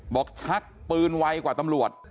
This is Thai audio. ชักปืนไวกว่าตำรวจ